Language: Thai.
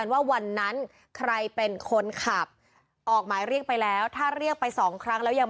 ว่าวันนั้นใครเป็นคนขับออกหมายเรียกไปแล้วถ้าเรียกไปสองครั้งแล้วยัง